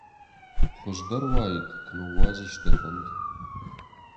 Хуыздӕр уаид, куы ныууадзис дӕ фӕнд!